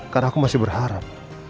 karena aku masih berharap